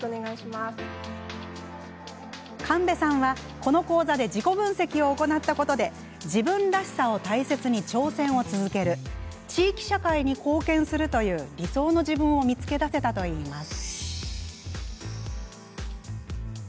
神戸さんは、この講座で自己分析を行ったことで自分らしさを大切に挑戦を続ける地域社会に貢献するという理想の自分を見つけ出せたといいます。